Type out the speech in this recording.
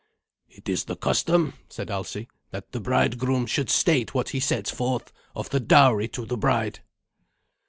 "It is the custom," said Alsi, "that the bridegroom should state what he sets forth of the dowry to the bride."